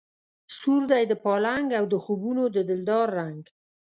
سور دی د پالنګ او د خوبونو د دلدار رنګ